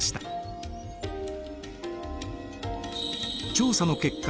調査の結果